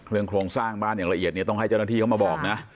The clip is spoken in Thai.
โครงสร้างบ้านอย่างละเอียดเนี่ยต้องให้เจ้าหน้าที่เขามาบอกนะ